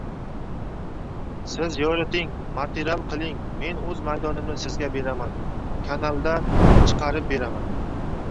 Siz yoriting, material qiling men oʻz maydonimni sizga beraman, kanalda chiqarib beraman.